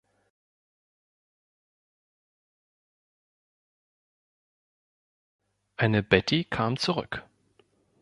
Eine „Betty“ kam zurück.